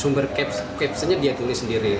sumber caption nya dia tulis sendiri